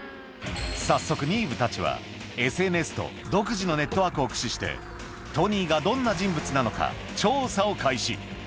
早速ニーヴたちは、ＳＮＳと独自のネットワークを駆使して、トニーがどんな人物なのか、調査を開始。